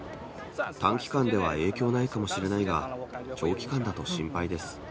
短期間では影響ないかもしれないが、長期間だと心配です。